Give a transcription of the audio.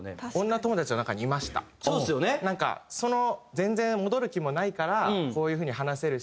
「全然戻る気もないからこういう風に話せるし」